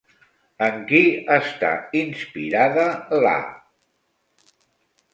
En qui està inspirada la?